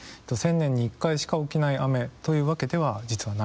１０００年に１回しか起きない雨というわけでは実はないんです。